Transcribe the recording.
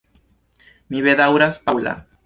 Mi bedaŭras, Paŭla.